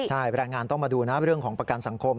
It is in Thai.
ใช่แรงงานต้องมาดูนะเรื่องของประกันสังคม